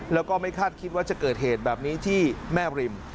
แล้วก็ไม่คาดคิดว่าจะเกิดเหตุแบบนี้ที่แม่ริม